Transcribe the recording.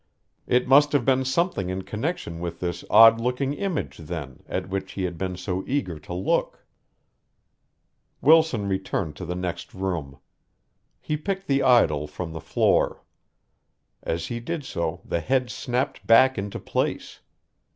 It must have been something in connection with this odd looking image, then, at which he had been so eager to look. Wilson returned to the next room. He picked the idol from the floor. As he did so the head snapped back into place.